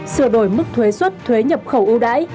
sửa đổi mức thuế xuất thuế nhập khẩu ưu đãi